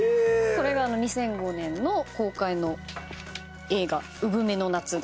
これが２００５年の公開の映画『姑獲鳥の夏』で。